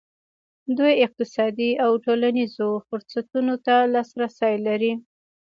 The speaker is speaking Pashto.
دوی اقتصادي او ټولنیزو فرصتونو ته لاسرسی لري.